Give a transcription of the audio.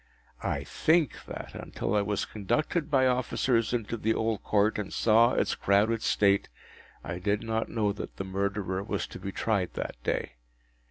I think that, until I was conducted by officers into the Old Court and saw its crowded state, I did not know that the Murderer was to be tried that day.